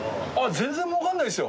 全然もうからないですよ。